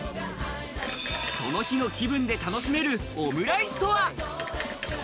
その日の気分で楽しめるオムライスとは？